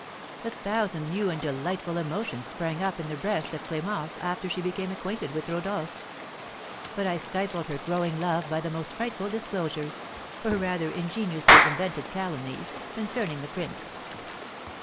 A thousand new and delightful emotions sprang up in the breast of Clémence after she became acquainted with Rodolph; but I stifled her growing love by the most frightful disclosures, or rather ingeniously invented calumnies, concerning the prince.